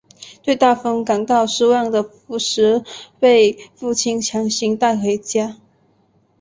对大风感到失望的福实被父亲强行带回家。